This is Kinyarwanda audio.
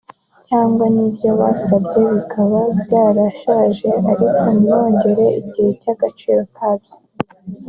cyangwa n’ibyo basabye bikaba byarashaje ariko ntibongere igihe cy’agaciro kabyo